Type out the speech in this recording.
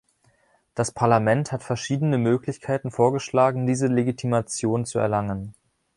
Das Parlament hat verschiedene Möglichkeiten vorgeschlagen, diese Legitimation zu erlangen.